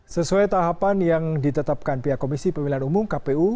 sesuai tahapan yang ditetapkan pihak komisi pemilihan umum kpu